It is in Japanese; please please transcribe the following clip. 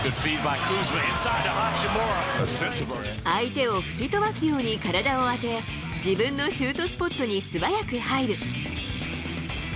相手を吹き飛ばすように体を当て、自分のシュートスポットに素早く入る。